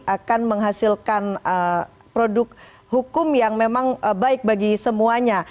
akan menghasilkan produk hukum yang memang baik bagi semuanya